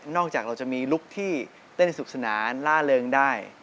จากเราจะมีลุคที่เต้นสุขสนานล่าเริงได้